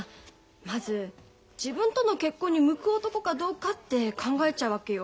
まず自分との結婚に向く男かどうかって考えちゃうわけよ。